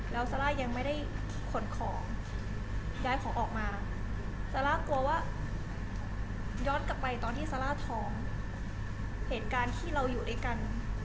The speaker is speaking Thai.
แล้วซาร่ายังไม่ได้ขนของย้ายของออกมาซาร่ากลัวว่าย้อนกลับไปตอนที่ซาร่าท้องเหตุการณ์ที่เราอยู่ด้วยกัน